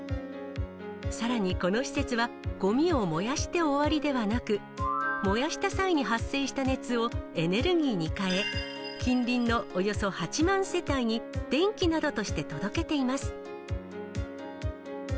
さらにこの施設は、ごみを燃やして終わりではなく、燃やした際に発生した熱をエネルギーに変え、近隣のおよそ８万世帯に電気などとして届けています。